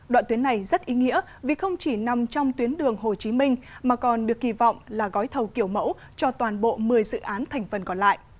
đoạn tuyến này rất ý nghĩa vì không chỉ nằm trong tuyến đường hồ chí minh mà còn được kỳ vọng là gói thầu kiểu mẫu cho toàn bộ một mươi dự án thành phần còn lại